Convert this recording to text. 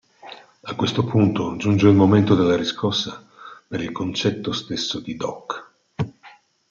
A questo punto giunge il momento della riscossa per il concetto stesso di Dock.